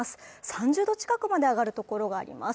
３０度近くまで上がるところがあります。